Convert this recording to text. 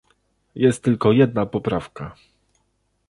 Jest tylko jedna poprawka